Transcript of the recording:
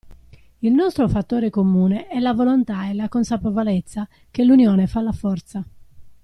Il nostro fattore comune è la volontà e la consapevolezza che l'unione fa la forza.